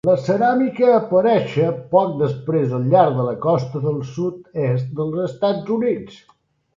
La ceràmica aparèixer poc després al llarg de la costa del sud-est dels Estats Units.